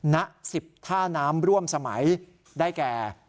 ณ๑๐ท่าน้ำร่วมสมัยได้แก่